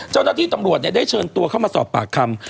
เจ้าหน้าที่ตำรวจได้เชิญตัวเข้ามาสอบปากคำ